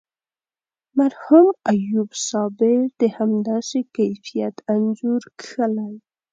مرحوم ایوب صابر د همداسې کیفیت انځور کښلی.